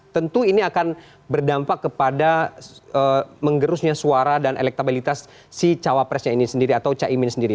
tentu ini akan berdampak kepada menggerusnya suara dan elektabilitas si cawapresnya ini sendiri atau caimin sendiri